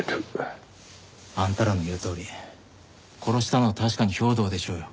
あんたらの言うとおり殺したのは確かに兵頭でしょうよ。